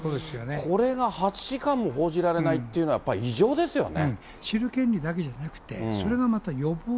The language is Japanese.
これが８時間も報じられないっていうのは、やっぱり異常ですよね。